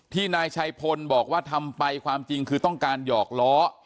นายชัยพลบอกว่าทำไปความจริงคือต้องการหยอกล้อ